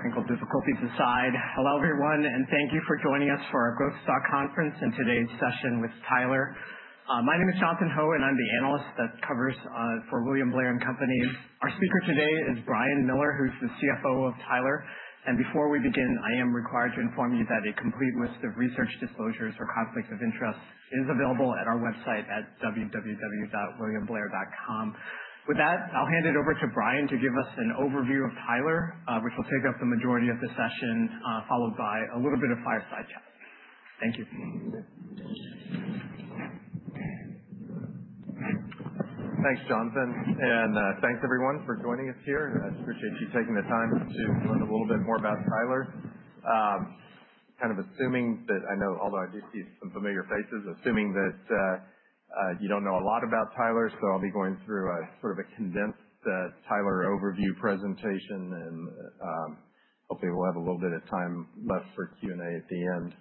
Technical difficulty to the side. Hello, everyone, and thank you for joining us for our Growth Stock Conference and today's session with Tyler. My name is Jonathan Ho, and I'm the analyst that covers for William Blair and Company. Our speaker today is Brian Miller, who's the CFO of Tyler. Before we begin, I am required to inform you that a complete list of research disclosures or conflicts of interest is available at our website at www.williamblair.com. With that, I'll hand it over to Brian to give us an overview of Tyler, which will take up the majority of the session, followed by a little bit of fireside chat. Thank you. Thanks, Jonathan. Thanks, everyone, for joining us here. I appreciate you taking the time to learn a little bit more about Tyler. Kind of assuming that I know, although I do see some familiar faces, assuming that you do not know a lot about Tyler, so I'll be going through a sort of a condensed Tyler overview presentation, and hopefully we'll have a little bit of time left for Q&A at the end.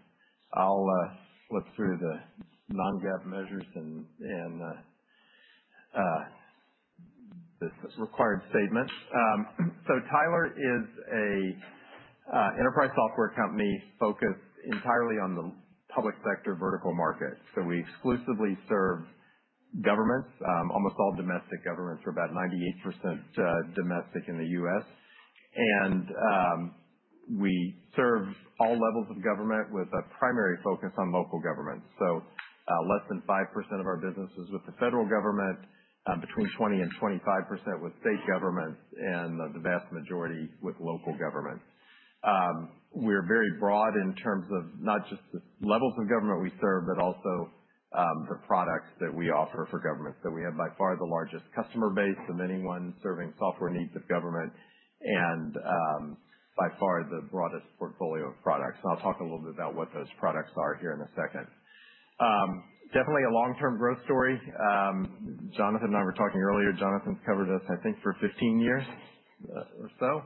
I'll flip through the non-GAAP measures and the required statements. Tyler is an enterprise software company focused entirely on the public sector vertical market. We exclusively serve governments, almost all domestic governments, or about 98% domestic in the U.S. We serve all levels of government with a primary focus on local government. Less than 5% of our business is with the federal government, between 20%-25% with state governments, and the vast majority with local government. We are very broad in terms of not just the levels of government we serve, but also the products that we offer for government. We have by far the largest customer base of anyone serving software needs of government and by far the broadest portfolio of products. I will talk a little bit about what those products are here in a second. Definitely a long-term growth story. Jonathan and I were talking earlier. Jonathan has covered us, I think, for 15 years or so.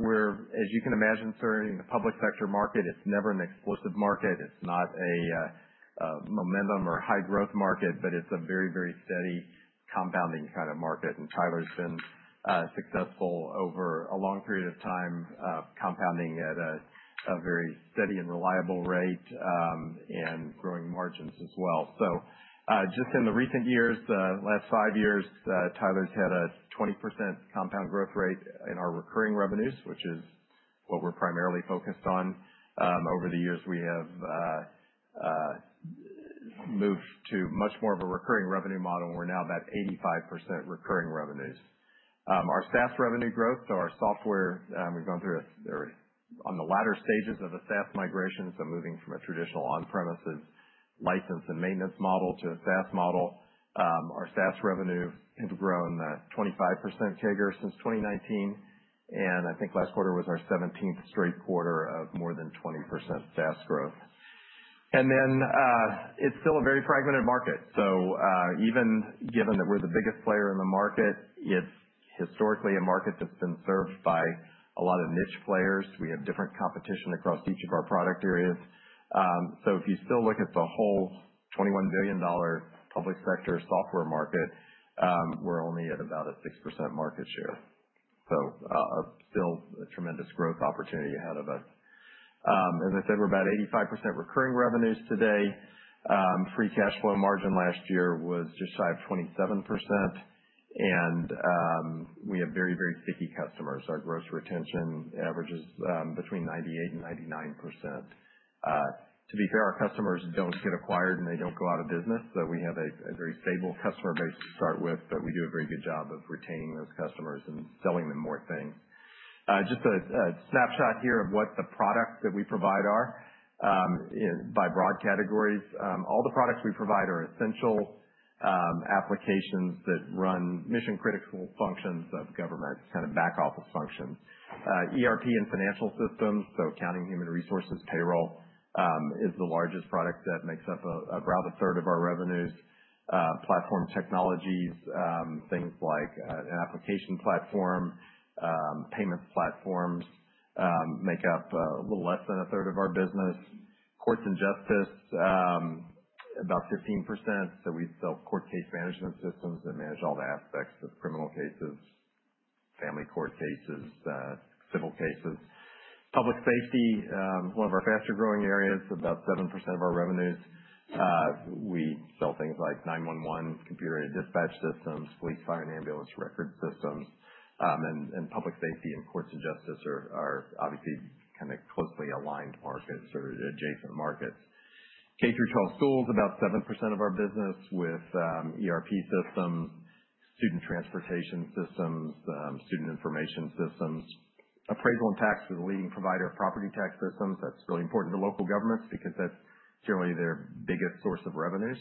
We are, as you can imagine, serving the public sector market. It is never an explosive market. It is not a momentum or high-growth market, but it is a very, very steady compounding kind of market. Tyler's been successful over a long period of time compounding at a very steady and reliable rate and growing margins as well. Just in the recent years, the last five years, Tyler's had a 20% compound growth rate in our recurring revenues, which is what we're primarily focused on. Over the years, we have moved to much more of a recurring revenue model. We're now about 85% recurring revenues. Our SaaS revenue growth, so our software, we've gone through on the latter stages of the SaaS migration, moving from a traditional on-premises license and maintenance model to a SaaS model. Our SaaS revenue has grown 25% CAGR since 2019. I think last quarter was our 17th straight quarter of more than 20% SaaS growth. It's still a very fragmented market. Even given that we're the biggest player in the market, it's historically a market that's been served by a lot of niche players. We have different competition across each of our product areas. If you still look at the whole $21 billion public sector software market, we're only at about a 6% market share. Still a tremendous growth opportunity ahead of us. As I said, we're about 85% recurring revenues today. Free cash flow margin last year was just shy of 27%. We have very, very sticky customers. Our gross retention averages between 98% and 99%. To be fair, our customers don't get acquired and they don't go out of business. We have a very stable customer base to start with, but we do a very good job of retaining those customers and selling them more things. Just a snapshot here of what the products that we provide are by broad categories. All the products we provide are essential applications that run mission-critical functions of government, kind of back office functions. ERP and financial systems, so accounting, human resources, payroll is the largest product that makes up about 1/3 of our revenues. Platform technologies, things like an application platform, payments platforms make up a little less than a third of our business. Courts and justice, about 15%. We sell court case management systems that manage all the aspects of criminal cases, family court cases, civil cases. Public safety, one of our faster growing areas, about 7% of our revenues. We sell things like 911, computer-aided dispatch systems, police, fire, and ambulance record systems. Public safety and courts and justice are obviously kind of closely aligned markets or adjacent markets. K-12 schools, about 7% of our business with ERP systems, student transportation systems, student information systems. Appraisal and tax is a leading provider of property tax systems. That is really important to local governments because that is generally their biggest source of revenues.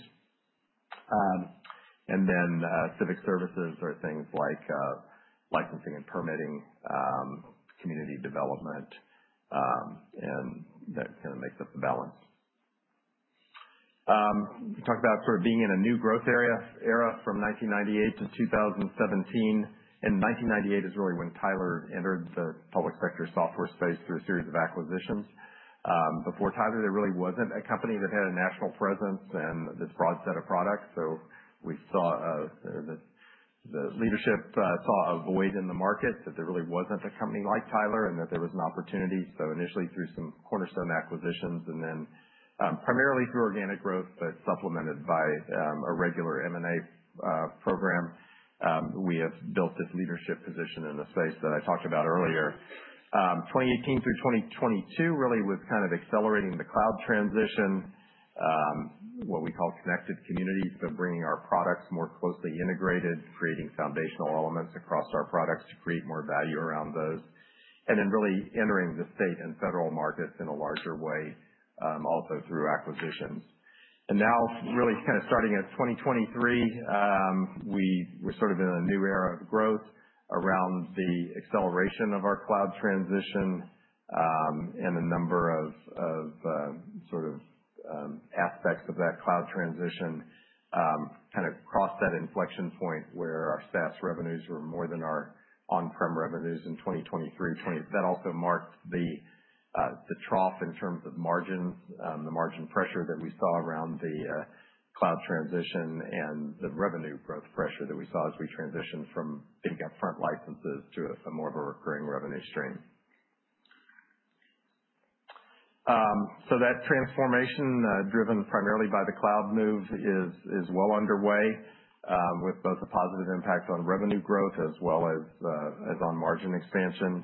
Civic services are things like licensing and permitting, community development, and that kind of makes up the balance. We talk about sort of being in a new growth area from 1998 to 2017. 1998 is really when Tyler entered the public sector software space through a series of acquisitions. Before Tyler, there really was not a company that had a national presence and this broad set of products. We saw, the leadership saw, a void in the market that there really was not a company like Tyler and that there was an opportunity. Initially through some cornerstone acquisitions and then primarily through organic growth, but supplemented by a regular M&A program, we have built this leadership position in the space that I talked about earlier. 2018 through 2022 really was kind of accelerating the cloud transition, what we call connected communities, but bringing our products more closely integrated, creating foundational elements across our products to create more value around those. Then really entering the state and federal markets in a larger way, also through acquisitions. Now really kind of starting at 2023, we're sort of in a new era of growth around the acceleration of our cloud transition and the number of sort of aspects of that cloud transition kind of crossed that inflection point where our SaaS revenues were more than our on-prem revenues in 2023. That also marked the trough in terms of margins, the margin pressure that we saw around the cloud transition and the revenue growth pressure that we saw as we transitioned from big upfront licenses to more of a recurring revenue stream. That transformation driven primarily by the cloud move is well underway with both a positive impact on revenue growth as well as on margin expansion.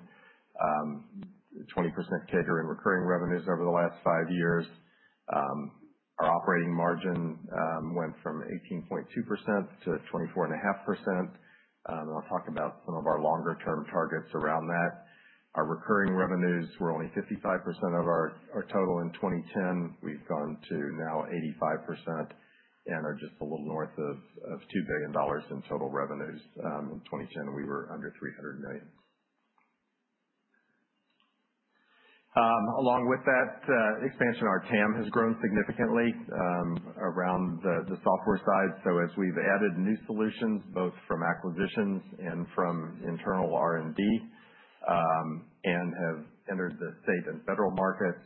20% CAGR in recurring revenues over the last five years. Our operating margin went from 18.2% to 24.5%. I will talk about some of our longer-term targets around that. Our recurring revenues were only 55% of our total in 2010. We have gone to now 85% and are just a little north of $2 billion in total revenues. In 2010, we were under $300 million. Along with that expansion, our TAM has grown significantly around the software side. As we've added new solutions, both from acquisitions and from internal R&D, and have entered the state and federal markets,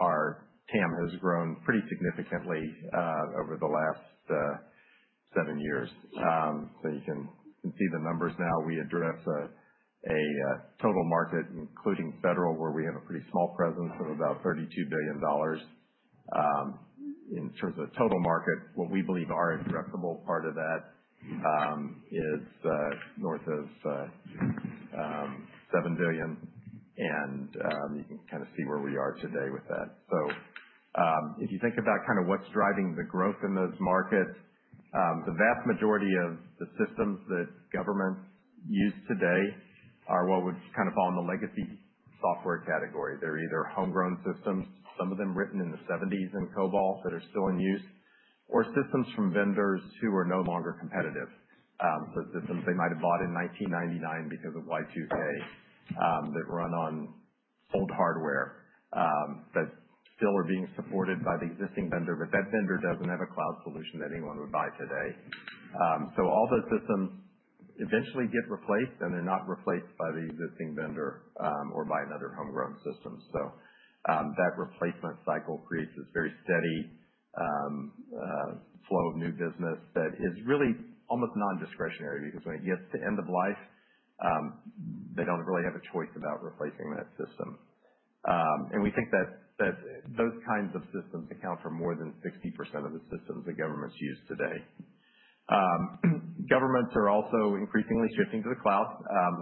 our TAM has grown pretty significantly over the last seven years. You can see the numbers now. We address a total market, including federal, where we have a pretty small presence, of about $32 billion. In terms of total market, what we believe our addressable part of that is north of $7 billion. You can kind of see where we are today with that. If you think about kind of what's driving the growth in those markets, the vast majority of the systems that governments use today are what would kind of fall in the legacy software category. They're either homegrown systems, some of them written in the 1970s in COBOL that are still in use, or systems from vendors who are no longer competitive. Systems they might have bought in 1999 because of Y2K that run on old hardware that still are being supported by the existing vendor, but that vendor doesn't have a cloud solution that anyone would buy today. All those systems eventually get replaced, and they're not replaced by the existing vendor or by another homegrown system. That replacement cycle creates this very steady flow of new business that is really almost non-discretionary because when it gets to end of life, they don't really have a choice about replacing that system. We think that those kinds of systems account for more than 60% of the systems that governments use today. Governments are also increasingly shifting to the cloud.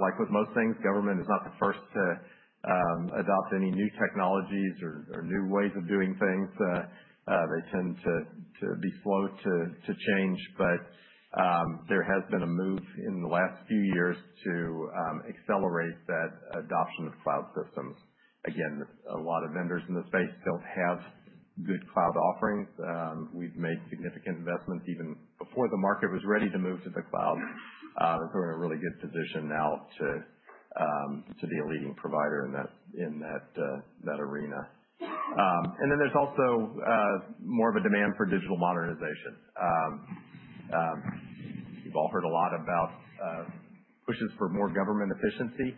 Like with most things, government is not the first to adopt any new technologies or new ways of doing things. They tend to be slow to change, but there has been a move in the last few years to accelerate that adoption of cloud systems. Again, a lot of vendors in the space do not have good cloud offerings. We have made significant investments even before the market was ready to move to the cloud. We are in a really good position now to be a leading provider in that arena. There is also more of a demand for digital modernization. You have all heard a lot about pushes for more government efficiency.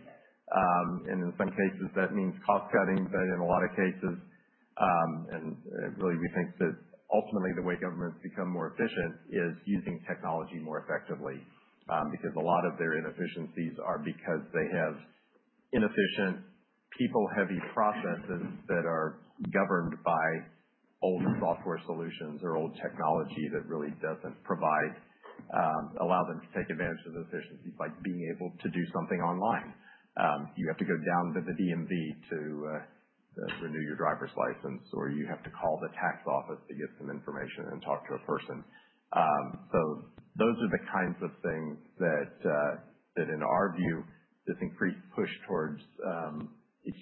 In some cases, that means cost cutting, but in a lot of cases, and really we think that ultimately the way governments become more efficient is using technology more effectively because a lot of their inefficiencies are because they have inefficient, people-heavy processes that are governed by old software solutions or old technology that really does not allow them to take advantage of the efficiencies by being able to do something online. You have to go down to the DMV to renew your driver's license, or you have to call the tax office to get some information and talk to a person. Those are the kinds of things that, in our view, this increased push towards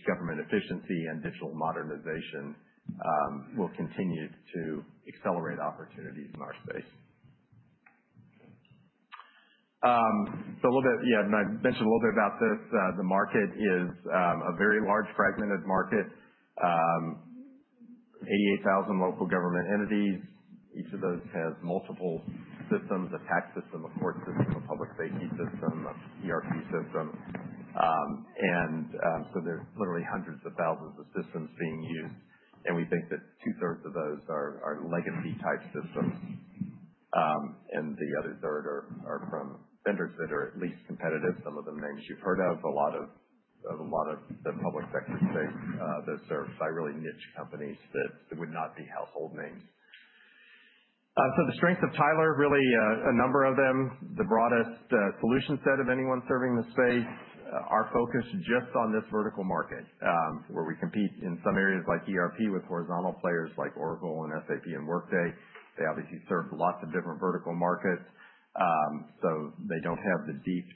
government efficiency and digital modernization will continue to accelerate opportunities in our space. A little bit, yeah, I mentioned a little bit about this. The market is a very large fragmented market, 88,000 local government entities. Each of those has multiple systems: a tax system, a court system, a public safety system, an ERP system. There are literally hundreds of thousands of systems being used. We think that 2/3 of those are legacy-type systems. The other third are from vendors that are at least competitive, some of the names you've heard of. A lot of the public sector space, those are served by really niche companies that would not be household names. The strengths of Tyler, really a number of them, the broadest solution set of anyone serving the space, are focused just on this vertical market where we compete in some areas like ERP with horizontal players like Oracle and SAP and Workday. They obviously serve lots of different vertical markets. They do not have the deep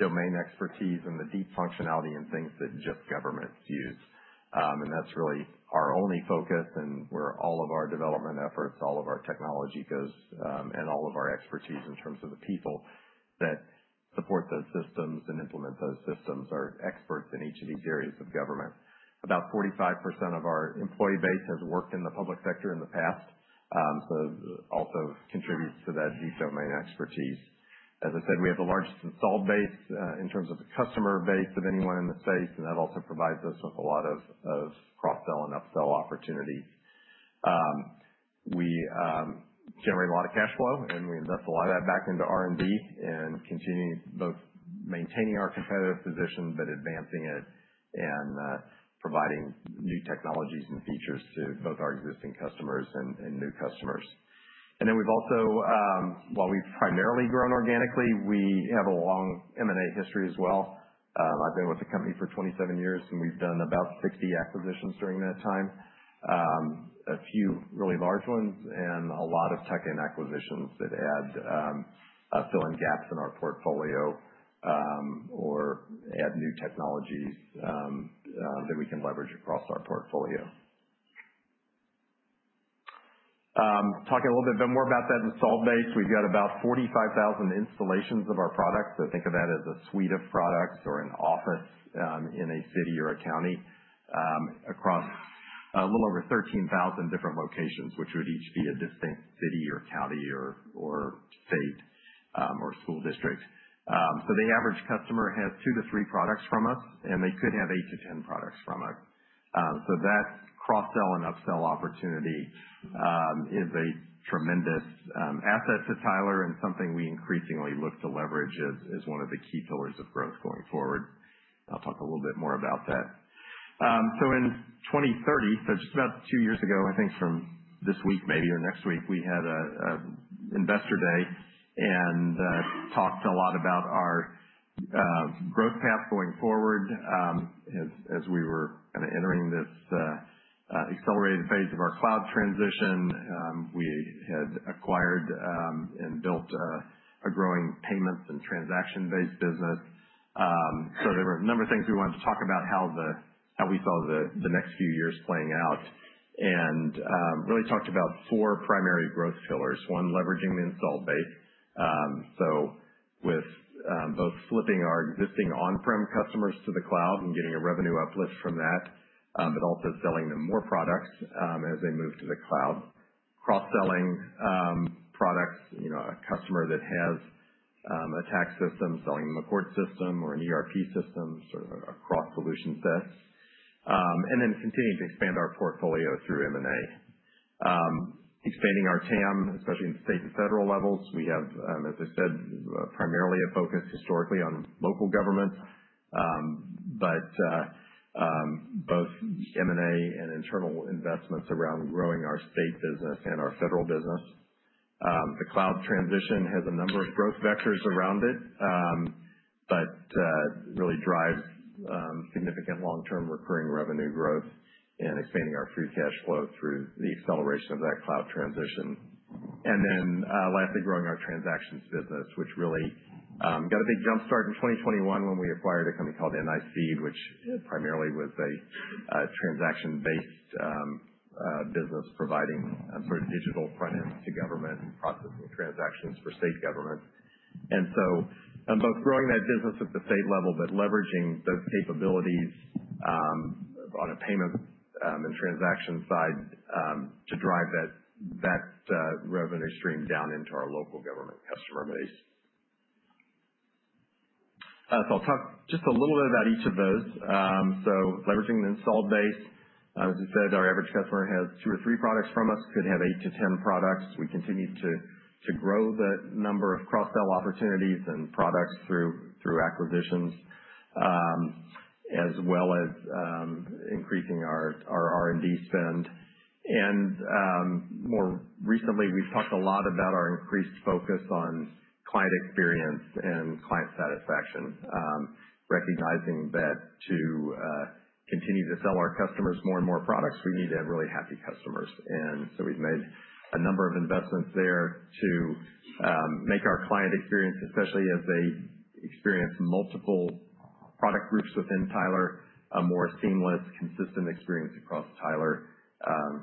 domain expertise and the deep functionality in things that just governments use. That is really our only focus. All of our development efforts, all of our technology, and all of our expertise in terms of the people that support those systems and implement those systems are experts in each of these areas of government. About 45% of our employee base has worked in the public sector in the past. That also contributes to that deep domain expertise. As I said, we have the largest installed base in terms of the customer base of anyone in the space. That also provides us with a lot of cross-sell and upsell opportunities. We generate a lot of cash flow, and we invest a lot of that back into R&D and continue both maintaining our competitive position, but advancing it and providing new technologies and features to both our existing customers and new customers. We have also, while we've primarily grown organically, we have a long M&A history as well. I've been with the company for 27 years, and we've done about 60 acquisitions during that time, a few really large ones and a lot of tech and acquisitions that add, fill in gaps in our portfolio or add new technologies that we can leverage across our portfolio. Talking a little bit more about that installed base, we've got about 45,000 installations of our products. Think of that as a suite of products or an office in a city or a county across a little over 13,000 different locations, which would each be a distinct city or county or state or school district. The average customer has two to three products from us, and they could have eight to ten products from us. That cross-sell and upsell opportunity is a tremendous asset to Tyler and something we increasingly look to leverage as one of the key pillars of growth going forward. I'll talk a little bit more about that. In 2021, just about two years ago, I think from this week maybe or next week, we had an investor day and talked a lot about our growth path going forward. As we were kind of entering this accelerated phase of our cloud transition, we had acquired and built a growing payments and transaction-based business. There were a number of things we wanted to talk about, how we saw the next few years playing out, and really talked about four primary growth pillars, one leveraging the installed base. With both flipping our existing on-prem customers to the cloud and getting a revenue uplift from that, but also selling them more products as they move to the cloud, cross-selling products, a customer that has a tax system selling them a court system or an ERP system, sort of a cross-solution set, and then continuing to expand our portfolio through M&A, expanding our TAM, especially in state and federal levels. We have, as I said, primarily a focus historically on local government, but both M&A and internal investments around growing our state business and our federal business. The cloud transition has a number of growth vectors around it, but really drives significant long-term recurring revenue growth and expanding our free cash flow through the acceleration of that cloud transition. Lastly, growing our transactions business, which really got a big jumpstart in 2021 when we acquired a company called NIC, which primarily was a transaction-based business providing sort of digital front-end to government and processing transactions for state governments. Both growing that business at the state level, but leveraging those capabilities on a payments and transaction side to drive that revenue stream down into our local government customer base. I'll talk just a little bit about each of those. Leveraging the installed base, as I said, our average customer has two or three products from us, could have eight to ten products. We continue to grow the number of cross-sell opportunities and products through acquisitions, as well as increasing our R&D spend. More recently, we've talked a lot about our increased focus on client experience and client satisfaction, recognizing that to continue to sell our customers more and more products, we need to have really happy customers. We've made a number of investments there to make our client experience, especially as they experience multiple product groups within Tyler, a more seamless, consistent experience across Tyler.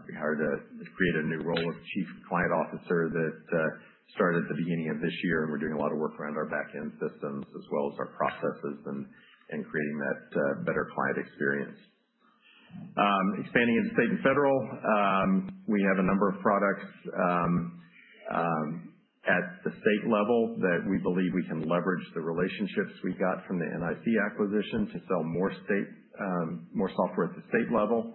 We hired a creative new role of Chief Client Officer that started at the beginning of this year, and we're doing a lot of work around our back-end systems as well as our processes and creating that better client experience. Expanding into state and federal, we have a number of products at the state level that we believe we can leverage the relationships we got from the NIC acquisition to sell more software at the state level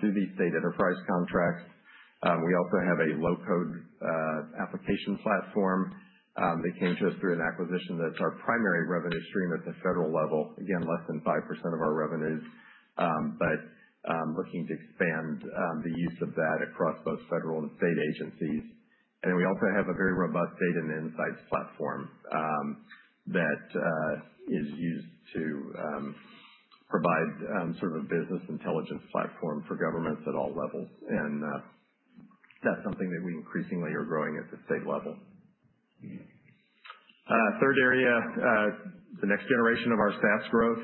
through these state enterprise contracts. We also have a low-code application platform that came to us through an acquisition that's our primary revenue stream at the federal level, again, less than 5% of our revenues, but looking to expand the use of that across both federal and state agencies. We also have a very robust data and insights platform that is used to provide sort of a business intelligence platform for governments at all levels. That is something that we increasingly are growing at the state level. Third area, the next generation of our SaaS growth.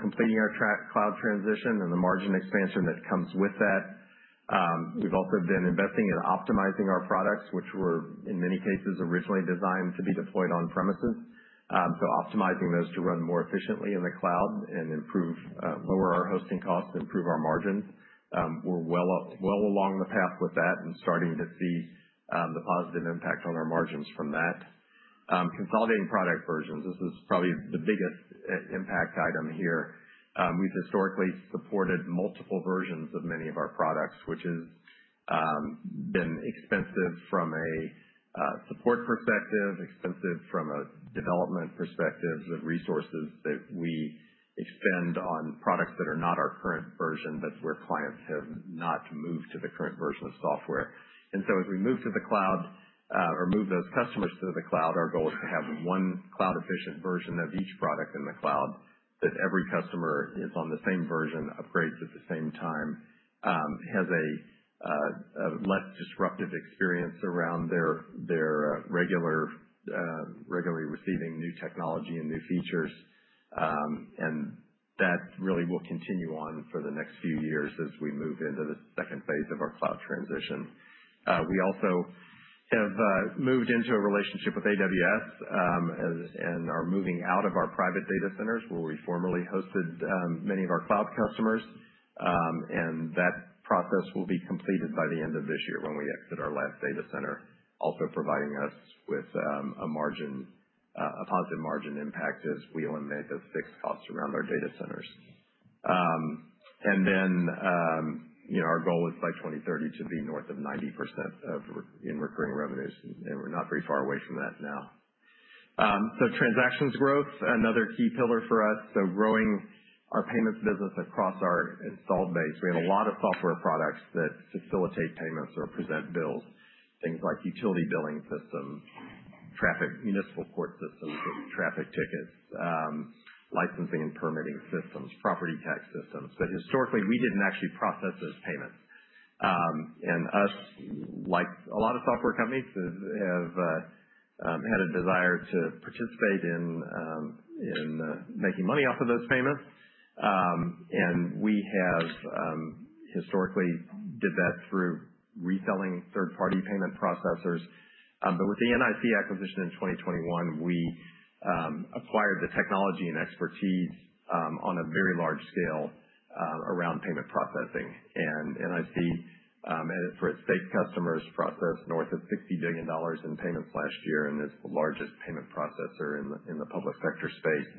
Completing our cloud transition and the margin expansion that comes with that. We've also been investing in optimizing our products, which were in many cases originally designed to be deployed on premises. Optimizing those to run more efficiently in the cloud and lower our hosting costs, improve our margins. We're well along the path with that and starting to see the positive impact on our margins from that. Consolidating product versions. This is probably the biggest impact item here. We've historically supported multiple versions of many of our products, which has been expensive from a support perspective, expensive from a development perspective of resources that we expend on products that are not our current version, but where clients have not moved to the current version of software. As we move to the cloud or move those customers to the cloud, our goal is to have one cloud-efficient version of each product in the cloud that every customer is on the same version, upgrades at the same time, has a less disruptive experience around their regularly receiving new technology and new features. That really will continue on for the next few years as we move into the second phase of our cloud transition. We also have moved into a relationship with AWS and are moving out of our private data centers where we formerly hosted many of our cloud customers. That process will be completed by the end of this year when we exit our last data center, also providing us with a positive margin impact as we eliminate those fixed costs around our data centers. Our goal is by 2030 to be north of 90% in recurring revenues, and we're not very far away from that now. Transactions growth, another key pillar for us. Growing our payments business across our installed base. We have a lot of software products that facilitate payments or present bills, things like utility billing systems, traffic, municipal court systems, traffic tickets, licensing and permitting systems, property tax systems. Historically, we did not actually process those payments. Us, like a lot of software companies, have had a desire to participate in making money off of those payments. We have historically done that through reselling third-party payment processors. With the NIC acquisition in 2021, we acquired the technology and expertise on a very large scale around payment processing. NIC, for its state customers, processed north of $60 billion in payments last year and is the largest payment processor in the public sector space.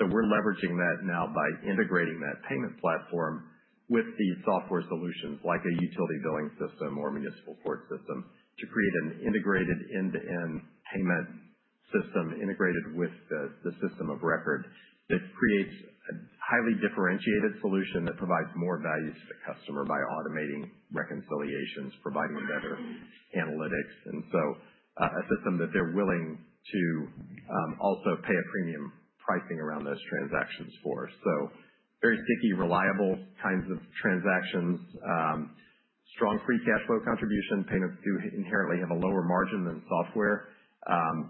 We are leveraging that now by integrating that payment platform with the software solutions like a utility billing system or municipal court system to create an integrated end-to-end payment system integrated with the system of record that creates a highly differentiated solution that provides more value to the customer by automating reconciliations, providing better analytics. A system that they are willing to also pay a premium pricing around those transactions for. Very sticky, reliable kinds of transactions, strong free cash flow contribution. Payments do inherently have a lower margin than software,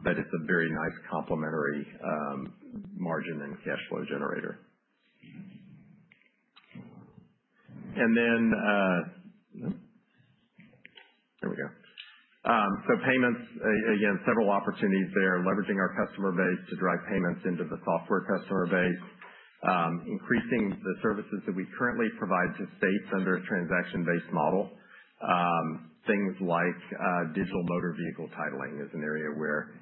but it is a very nice complementary margin and cash flow generator. There we go. Payments, again, several opportunities there, leveraging our customer base to drive payments into the software customer base, increasing the services that we currently provide to states under a transaction-based model. Things like digital motor vehicle titling is an area where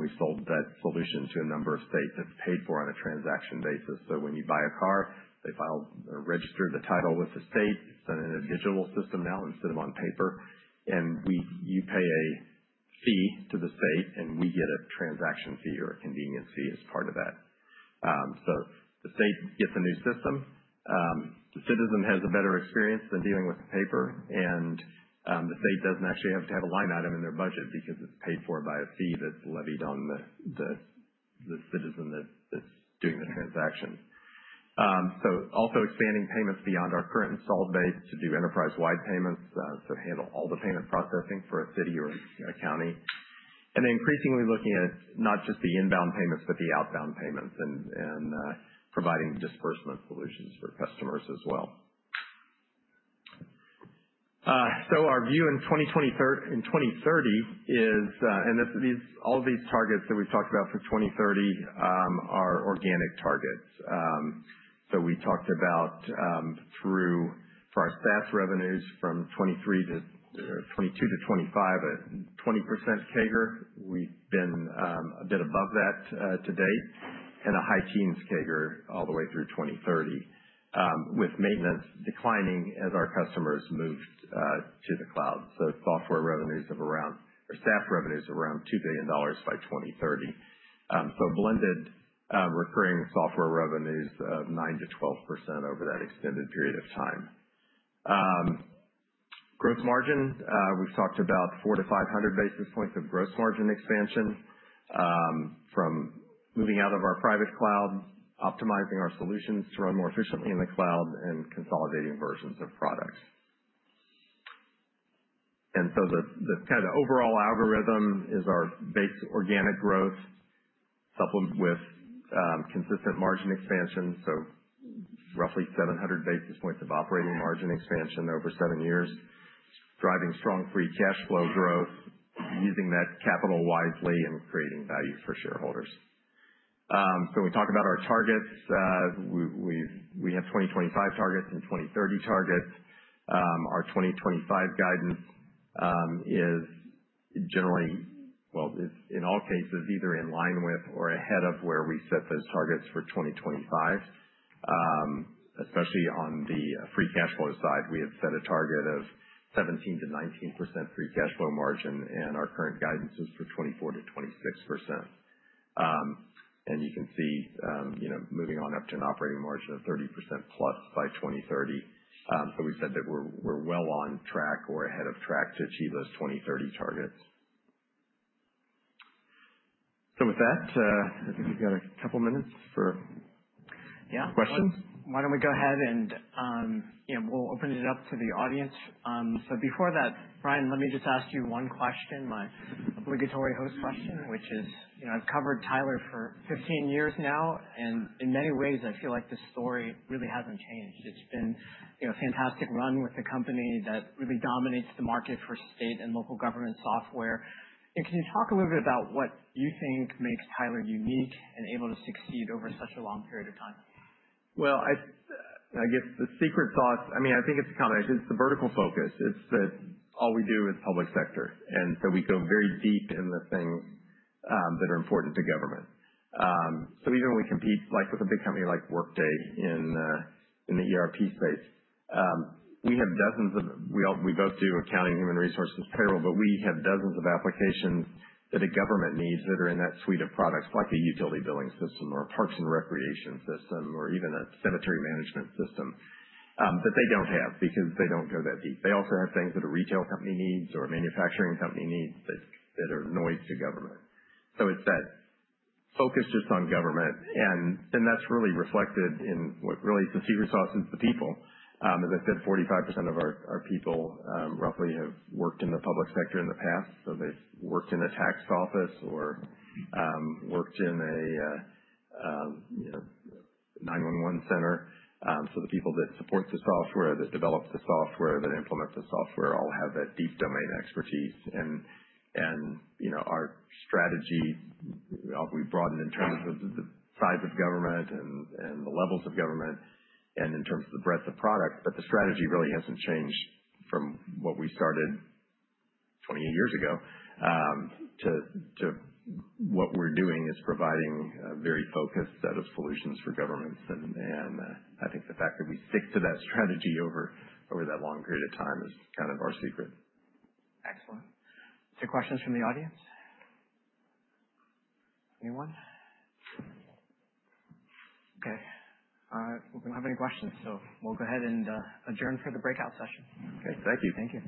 we sold that solution to a number of states that's paid for on a transaction basis. When you buy a car, they file or register the title with the state. It's done in a digital system now instead of on paper. You pay a fee to the state, and we get a transaction fee or a convenience fee as part of that. The state gets a new system. The citizen has a better experience than dealing with the paper. The state does not actually have to have a line item in their budget because it is paid for by a fee that is levied on the citizen that is doing the transaction. Also expanding payments beyond our current installed base to do enterprise-wide payments, to handle all the payment processing for a city or a county. Increasingly looking at not just the inbound payments, but the outbound payments and providing disbursement solutions for customers as well. Our view in 2030 is, and all of these targets that we have talked about for 2030 are organic targets. We talked about for our SaaS revenues from 2022 to 2025, a 20% CAGR. We have been a bit above that to date and a high teens CAGR all the way through 2030, with maintenance declining as our customers moved to the cloud. Software revenues of around or staff revenues around $2 billion by 2030. Blended recurring software revenues of 9%-12% over that extended period of time. Gross margin, we have talked about 400-500 basis points of gross margin expansion from moving out of our private cloud, optimizing our solutions to run more efficiently in the cloud, and consolidating versions of products. The kind of overall algorithm is our base organic growth supplement with consistent margin expansion. Roughly 700 basis points of operating margin expansion over seven years, driving strong free cash flow growth, using that capital wisely and creating value for shareholders. When we talk about our targets, we have 2025 targets and 2030 targets. Our 2025 guidance is generally, well, in all cases, either in line with or ahead of where we set those targets for 2025, especially on the free cash flow side. We have set a target of 17%-19% free cash flow margin, and our current guidance is for 24%-26%. You can see moving on up to an operating margin of 30%+ by 2030. We have said that we are well on track or ahead of track to achieve those 2030 targets. With that, I think we have a couple of minutes for questions. Yeah. Why do we not go ahead and open it up to the audience. Before that, Brian, let me just ask you one question, my obligatory host question, which is I have covered Tyler for 15 years now, and in many ways, I feel like the story really has not changed. It's been a fantastic run with the company that really dominates the market for state and local government software. Can you talk a little bit about what you think makes Tyler unique and able to succeed over such a long period of time? I guess the secret sauce, I mean, I think it's a combination. It's the vertical focus. It's that all we do is public sector. And so we go very deep in the things that are important to government. Even when we compete with a big company like Workday in the ERP space, we have dozens of—we both do accounting, human resources, payroll, but we have dozens of applications that a government needs that are in that suite of products, like a utility billing system or a parks and recreation system or even a cemetery management system that they do not have because they do not go that deep. They also have things that a retail company needs or a manufacturing company needs that are noise to government. It is that focus just on government. That is really reflected in what really is the secret sauce, which is the people. As I said, 45% of our people roughly have worked in the public sector in the past. They have worked in a tax office or worked in a 911 center. The people that support the software, that develop the software, that implement the software all have that deep domain expertise. Our strategy, we've broadened in terms of the size of government and the levels of government and in terms of the breadth of product. The strategy really hasn't changed from what we started 28 years ago to what we're doing, which is providing a very focused set of solutions for governments. I think the fact that we stick to that strategy over that long period of time is kind of our secret. Excellent. Any questions from the audience? Anyone? Okay. All right. We don't have any questions. We'll go ahead and adjourn for the breakout session. Okay. Thank you. Thank you.